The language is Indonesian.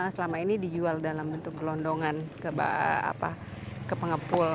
selama ini dijual dalam bentuk gelondongan ke pengepul